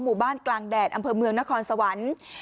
หมู่บ้านกลางแดดอำเภอเมืองนครสวรรค์